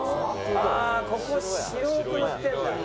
ああここ白く塗ってんだ。